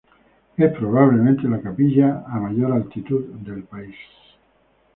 Es probablemente la capilla a mayor altitud del país.